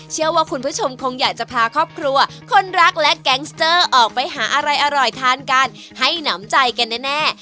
เชื่อว่าคุณผู้ชมคงอยากจะพาครอบครัวคนรักและแก๊งสเตอร์ออกไปหาอะไรอร่อยทานกันให้หนำใจกันแน่